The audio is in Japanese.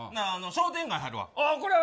商店街、入るわ。